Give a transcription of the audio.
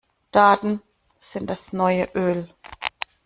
Daten sind das neue Öl.